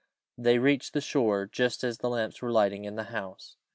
They reached the shore just as the lamps were lighting in the house.